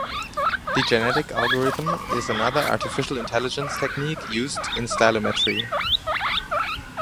The genetic algorithm is another artificial intelligence technique used in stylometry.